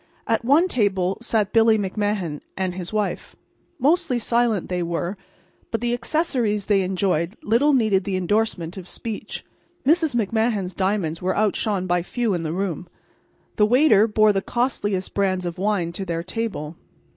At one table sat Billy McMahan and his wife. Mostly silent they were, but the accessories they enjoyed little needed the indorsement of speech. Mrs. McMahan's diamonds were outshone by few in the room. The waiter bore the costliest brands of wine to their table.